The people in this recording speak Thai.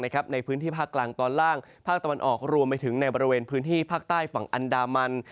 ในพื้นที่ภาคกลางตอนล่างภาคตะวันออกรวมไปถึงในบริเวณพื้นที่ภาคใต้ฝั่งอันดามัน